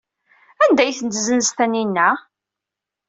Anda ay ten-tessenz Taninna?